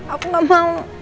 aku gak mau